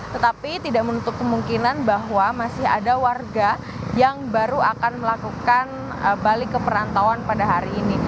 tetapi tidak menutup kemungkinan bahwa masih ada warga yang baru akan melakukan balik ke perantauan pada hari ini